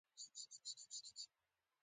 زبېښونکي بنسټونه ورسره له منځه نه ځي.